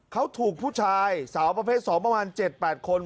เขาถูกผู้ชายสาวประเภท๒ประมาณ๗๘คน